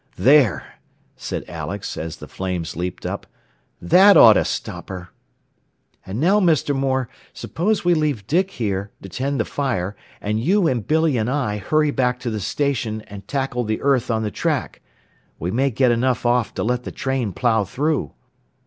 "There," said Alex, as the flames leaped up, "that ought to stop her." "And now, Mr. Moore, suppose we leave Dick here to tend the fire, and you and Billy and I hurry back to the station, and tackle the earth on the track. We may get enough off to let the train plow through."